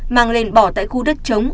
mang lên bỏ tại khu đất chống